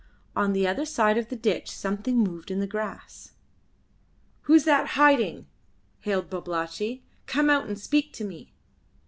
On the other side of the ditch something moved in the grass. "Who's that hiding?" hailed Babalatchi. "Come out and speak to me."